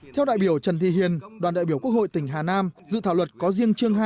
theo đại biểu trần thi hiền đoàn đại biểu quốc hội tỉnh hà nam dự thảo luật có riêng chương hai